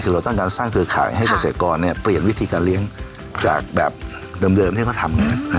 คือเราต้องการสร้างเครือข่ายให้เกษตรกรเปลี่ยนวิธีการเลี้ยงจากแบบเดิมที่เขาทำ